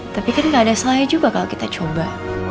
tapi kan gak ada salahnya juga kalau kita coba